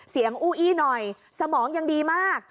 อู้อี้หน่อยสมองยังดีมาก